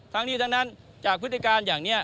ทั้งนี้ทั้งนั้นจากพฤติการอย่างนี้